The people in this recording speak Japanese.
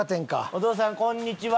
お父さんこんにちは。